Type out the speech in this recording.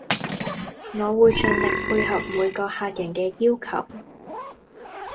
我會盡力配合每位客人嘅要求